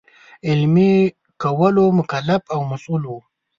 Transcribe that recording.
عملي کولو مکلف او مسوول وو.